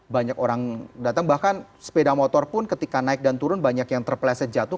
banyak orang datang bahkan sepeda motor pun ketika naik dan turun banyak yang terpleset jatuh